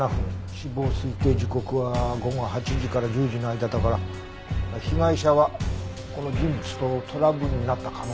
死亡推定時刻は午後８時から１０時の間だから被害者はこの人物とトラブルになった可能性があるね。